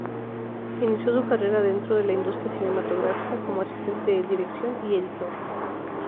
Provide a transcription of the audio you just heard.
Inició su carrera dentro de la industria cinematográfica como asistente de dirección y editor.